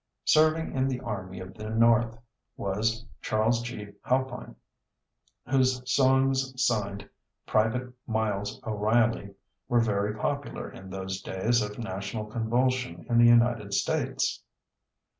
Serving in the army of the North was Charles G. Halpine, whose songs signed "Private Miles O'Reilly" were very popular in those days of national convulsion in the United States.